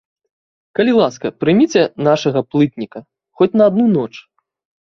Калі ласка, прыміце нашага плытніка, хоць на адну ноч!